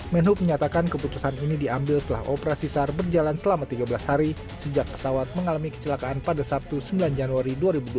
menhub menyatakan keputusan ini diambil setelah operasi sar berjalan selama tiga belas hari sejak pesawat mengalami kecelakaan pada sabtu sembilan januari dua ribu dua puluh